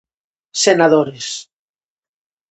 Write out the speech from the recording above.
Senadores.